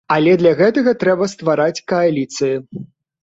Але для гэтага трэба ствараць кааліцыі.